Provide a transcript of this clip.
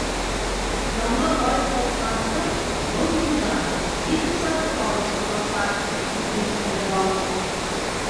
— Яңы ай ҡалҡҡансы, был юлдан бихисап табыш уҙасаҡ, — тип елкенде Балу.